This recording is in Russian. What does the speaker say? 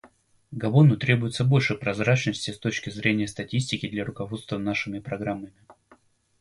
Габону требуется больше прозрачности с точки зрения статистики для руководства нашими программами.